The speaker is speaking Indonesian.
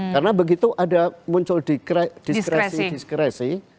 karena begitu ada muncul diskresi diskresi